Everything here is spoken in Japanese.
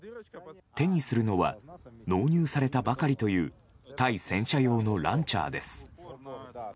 手にするのは納入されたばかりという対戦車用のランチャーです。